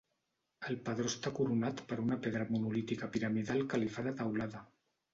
El padró està coronat per una pedra monolítica piramidal que li fa de teulada.